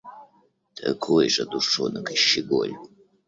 Такой же душонок и щеголь!